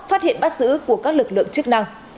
phát hiện bắt giữ của các lực lượng chức năng